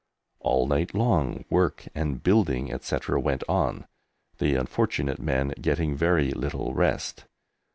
All night long work and building, etc., went on, the unfortunate men getting very little rest.